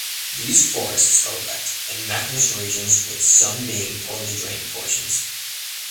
These forests are wet and mountainous regions with some being poorly drained portions.